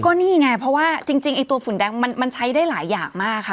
ก็นี่ไงเพราะว่าจริงไอ้ตัวฝุ่นแดงมันใช้ได้หลายอย่างมากค่ะ